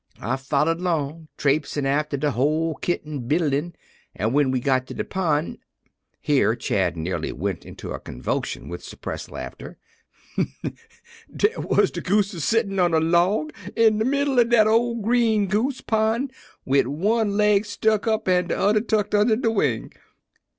"I followed 'long, trapesin' after de whole kit an' b'ilin', an' when we got to de pond" here Chad nearly went into a convulsion with suppressed laughter "dar was de gooses sittin' on a log in de middle of dat ole green goose pond wid one leg stuck down so, an' de udder tucked under de wing."